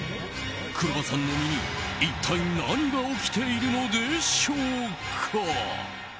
黒羽さんの身に一体何が起きているのでしょうか。